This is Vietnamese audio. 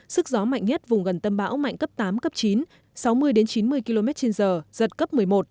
sức gió mạnh nhất vùng gần tâm bão mạnh cấp tám cấp chín sáu mươi chín mươi km trên giờ giật cấp một mươi một